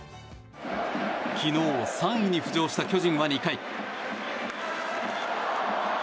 昨日、３位に浮上した巨人は２回。